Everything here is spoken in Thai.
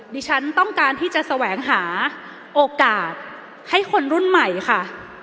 ดิฉันต้องการที่จะแสวงหาโอกาสให้คนรุ่นใหม่ค่ะ